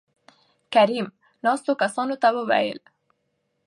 کريم : ناستو کسانو ته وويل